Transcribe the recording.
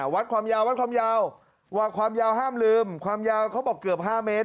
วัดความยาววัดความยาวความยาวห้ามลืมความยาวเขาบอกเกือบ๕เมตร